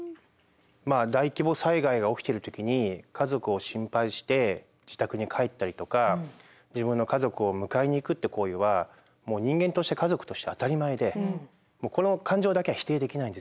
まあ大規模災害が起きてる時に家族を心配して自宅に帰ったりとか自分の家族を迎えに行くって行為はもう人間として家族として当たり前でこの感情だけは否定できないんですよね。